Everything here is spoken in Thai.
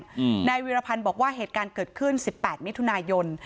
อืมนายวิรพันธ์บอกว่าเหตุการณ์เกิดขึ้นสิบแปดมิถุนายน